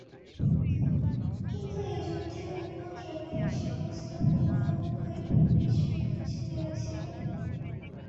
কিন্তু এই যুদ্ধের উপদ্রবে সে প্রস্তাব উভয় পক্ষই বিস্মৃত হইয়াছিল।